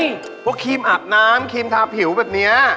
พวกครีมอาบน้ำครีมทาผิวแบบนี้